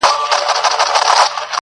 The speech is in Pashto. وفا يې چا له امانت کړله ، خدائے خبر